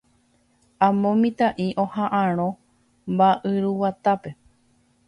Amo mitã'i oha'ãrõ mba'yruguatápe.